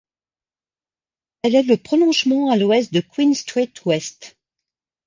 Elle est le prolongement à l'Ouest de Queen Street West.